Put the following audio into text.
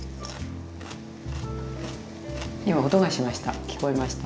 今音がしました。